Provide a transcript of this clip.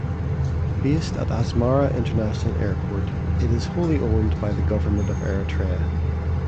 Based at Asmara International Airport, it is wholly owned by the government of Eritrea.